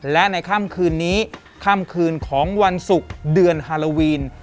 และในค่ำคืนนี้ค่ำคืนของวันศุกร์เดือนฮาโลวีน